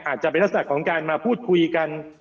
อาจจะเป็นลักษณะของการมาพูดคุยกัน